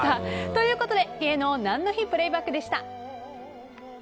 ということで芸能何の日プレイバックでした。